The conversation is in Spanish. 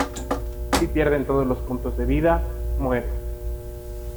Si pierden todos los puntos de vida, mueren.